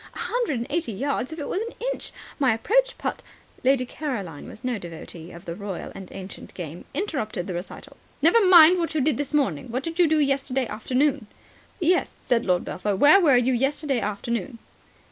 A hundred and eighty yards if it was an inch. My approach putt " Lady Caroline, who was no devotee of the royal and ancient game, interrupted the recital. "Never mind what you did this morning. What did you do yesterday afternoon?" "Yes," said Lord Belpher. "Where were you yesterday afternoon?"